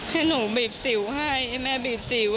ให้หนูบีบสิวให้ให้แม่บีบสิว